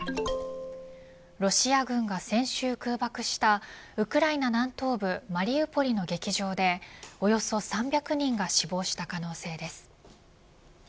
ロシア軍が先週空爆したウクライナ南東部マリウポリの劇場でおよそ３００人が死亡した可能性です。